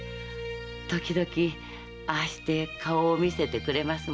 時々ああして顔を見せてくれますもの。